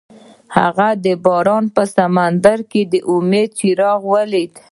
هغه د باران په سمندر کې د امید څراغ ولید.